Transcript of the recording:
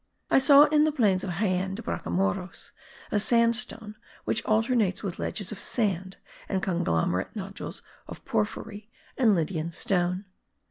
I saw in the plains of Jaen de Bracamoros a sandstone which alternates with ledges of sand and conglomerate nodules of porphyry and Lydian stone.